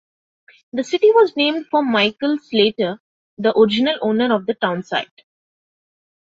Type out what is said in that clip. The city was named for Michael Slater, the original owner of the town site.